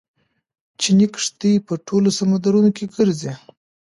چیني کښتۍ په ټولو سمندرونو کې ګرځي.